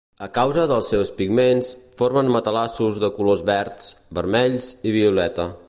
A causa dels seus pigments, formen matalassos de colors verds, vermells i violeta.